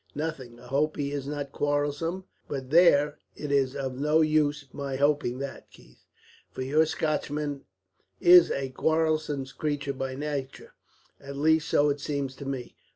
"Nothing. I hope he is not quarrelsome. But there, it is of no use my hoping that, Keith; for your Scotchman is a quarrelsome creature by nature, at least so it seems to me.